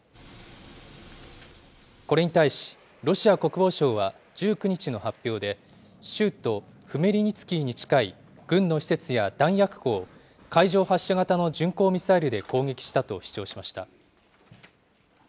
これに対し、ロシア国防省は１９日の発表で、州都フメリニツキーに近い軍の施設や弾薬庫を海上発射型の巡航ミサイルで攻撃したと主張しました。